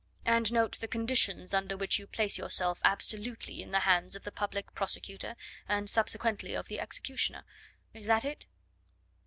and note the conditions under which you place yourself absolutely in the hands of the Public Prosecutor and subsequently of the executioner. Is that it?"